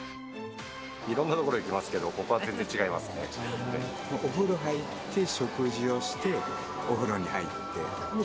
いろんな所行きますけど、お風呂入って、食事をして、お風呂に入って。